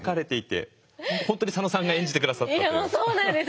そうなんですよ。